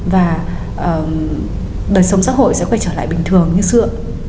và đời sống xã hội sẽ quay trở lại bình thường như xưa